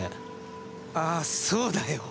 ああそうだよ。